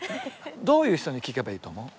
どういう人に聞けばいいと思う？